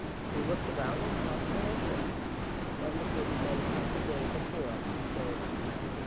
He looked around in consternation. Then the coachman of the day before came in the door.